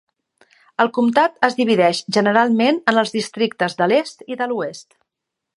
El comtat es divideix generalment en els districtes de l'est i de l'oest.